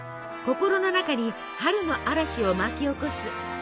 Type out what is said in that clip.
心の中に春の嵐を巻き起こす。